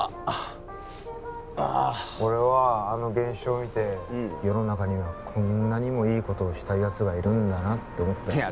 ああっ俺はあの現象を見て世の中にはこんなにもいいことをしたいやつがいるんだなって思ったよ